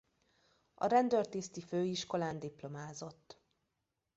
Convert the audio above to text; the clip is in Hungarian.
A Rendőrtiszti Főiskolán diplomázott.